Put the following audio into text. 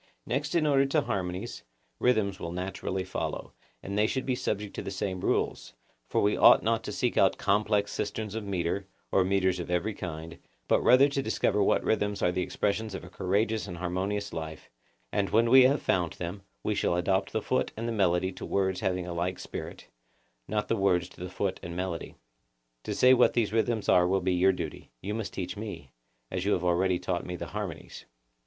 Next in order to harmonies, rhythms will naturally follow, and they should be subject to the same rules, for we ought not to seek out complex systems of metre, or metres of every kind, but rather to discover what rhythms are the expressions of a courageous and harmonious life; and when we have found them, we shall adapt the foot and the melody to words having a like spirit, not the words to the foot and melody. To say what these rhythms are will be your duty—you must teach me them, as you have already taught me the harmonies.